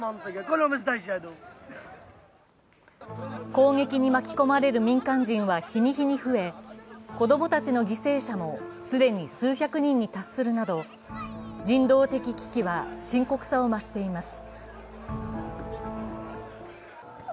攻撃に巻き込まれる民間人は日に日に増え子供たちの犠牲者も既に数百人に達するなど人道的危機は深刻さを増しています。